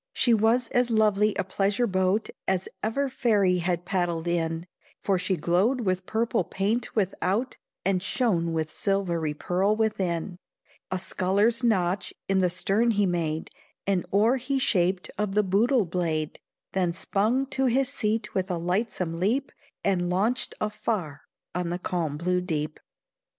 She was as lovely a pleasure boat As ever fairy had paddled in, For she glowed with purple paint without, And shone with silvery pearl within; A sculler's notch in the stern he made, An oar he shaped of the bootle blade; Then spung to his seat with a lightsome leap, And launched afar on the calm blue deep.